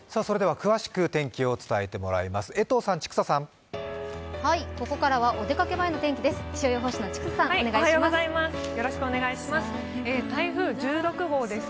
詳しく天気を伝えてもらいます。